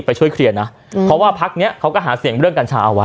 ไปช่วยเคลียร์นะเพราะว่าพักเนี้ยเขาก็หาเสียงเรื่องกัญชาเอาไว้